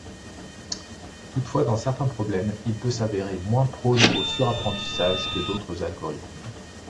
Toutefois, dans certains problèmes, il peut s'avérer moins prône au surapprentissage que d'autres algorithmes.